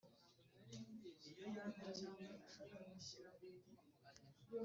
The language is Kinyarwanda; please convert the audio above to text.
nk’uvuza ingoma zinasakuza cyane. Muri icyo gihe na zo